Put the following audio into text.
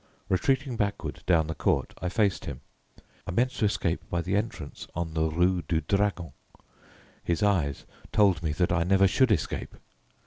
Retreating backward, down the court, I faced him. I meant to escape by the entrance on the Rue du Dragon. His eyes told me that I never should escape.